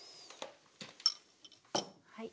はい。